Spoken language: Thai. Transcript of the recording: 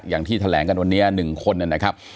อย่างที่แถลงกันวันนี้๑คนนะครับ